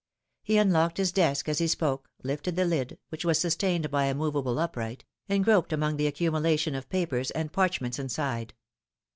He un locked his desk as he spoke, lifted the lid, which was sustained by a movable upright, and groped among the accumulation of papers and parchments inside.